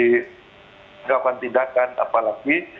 tidak akan tindakan apalagi